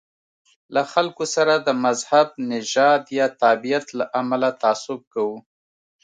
له خلکو سره د مذهب، نژاد یا تابعیت له امله تعصب کوو.